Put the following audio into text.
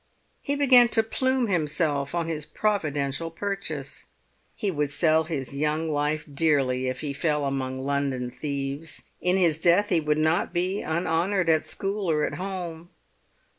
He began to plume himself on his providential purchase. He would sell his young life dearly if he fell among London thieves; in his death he would not be unhonoured at school or at home.